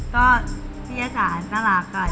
ก็พี่จ๊ะจ๋าก็รักก่อน